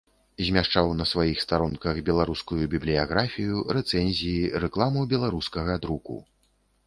Змяшчаў на сваіх старонках беларускую бібліяграфію, рэцэнзіі, рэкламу беларускага друку.